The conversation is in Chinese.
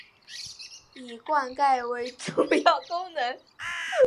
以灌溉为主要功能。